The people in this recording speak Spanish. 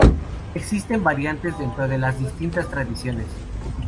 Existen variantes dentro de las distintas tradiciones.